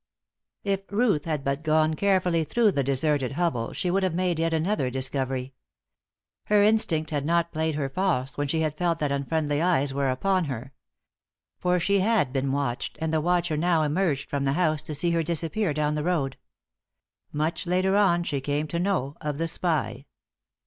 If Ruth had but gone carefully through the deserted hovel she would have made yet another discovery. Her instinct had not played her false when she had felt that unfriendly eyes were upon her. For she had been watched, and the watcher now emerged from the house to see her disappear down the road. Much later on she came to know of the spy.